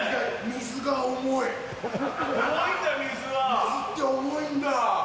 水って重いんだ。